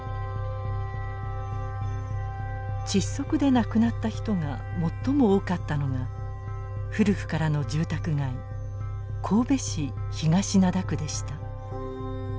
窒息で亡くなった人が最も多かったのが古くからの住宅街神戸市東灘区でした。